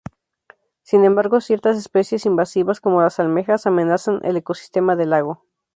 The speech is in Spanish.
Sin embargo, ciertas especies invasivas como las almejas amenazan el ecosistema del lago.